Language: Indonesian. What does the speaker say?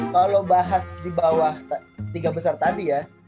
kalau bahas di bawah tiga besar tadi ya